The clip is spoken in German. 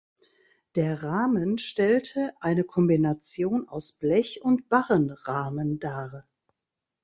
Der Rahmen stellte eine Kombination aus Blech- und Barrenrahmen dar.